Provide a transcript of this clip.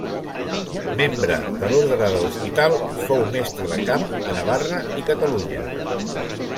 Membre de l'Orde de l'Hospital, fou mestre de camp a Navarra i Catalunya.